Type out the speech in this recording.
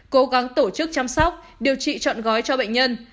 cố gắng tổ chức chăm sóc điều trị trọn gói cho bệnh nhân